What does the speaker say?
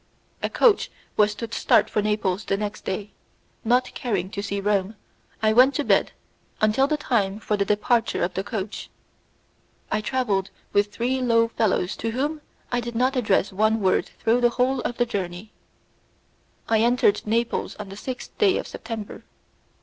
A coach was to start for Naples the next day; not caring to see Rome, I went to bed until the time for the departure of the coach. I travelled with three low fellows to whom I did not address one word through the whole of the journey. I entered Naples on the 6th day of September.